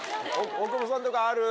大久保さんとかある？